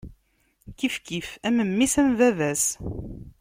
Kifkif am mmi-s, am baba-s.